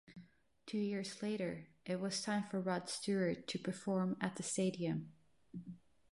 Two years later, it was time for Rod Stewart to perform at the stadium.